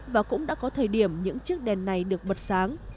và cũng đã có thời điểm những chiếc đèn này được bật sáng